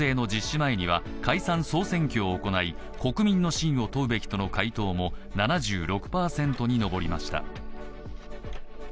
前には解散総選挙を行い、国民の信を問うべきとの回答も７６％に上りました。